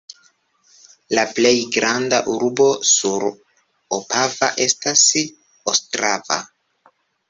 La plej granda urbo sur Opava estas Ostrava.